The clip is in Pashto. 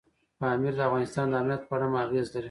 پامیر د افغانستان د امنیت په اړه هم اغېز لري.